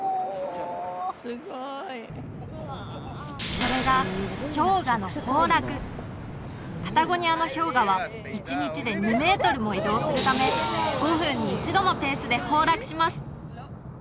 それが氷河の崩落パタゴニアの氷河は１日で２メートルも移動するため５分に１度のペースで崩落します